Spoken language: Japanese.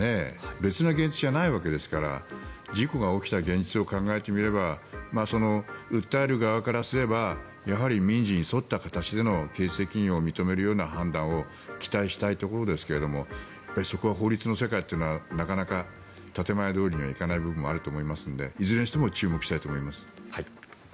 別な現実じゃないわけですから事故が起きた現実を考えてみれば訴える側からすればやはり民事に沿った形での刑事責任を認めるような判断を期待したいところですがそこは法律の世界というのはなかなか、建前どおりにはいかない部分もあると思いますのでいずれにしても注目したいと思います。